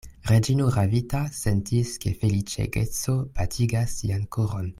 Reĝino ravita sentis, ke feliĉegeco batigas sian koron.